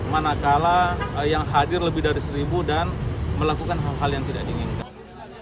manakala yang hadir lebih dari seribu dan melakukan hal hal yang tidak diinginkan